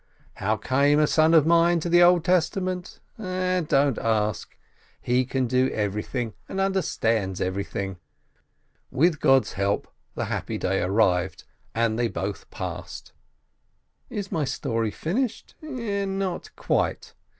How came a son of mine to the Old Testament? Ai, don't ask! He can do everything and understands everything. With God's help the happy day arrived, and they both passed. Is my story finished? Not quite.